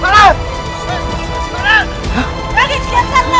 raden kian santang